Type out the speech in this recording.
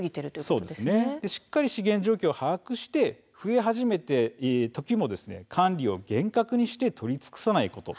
しっかり資源状況を把握して増え始めている時も管理を厳格にして取り尽くさないこと。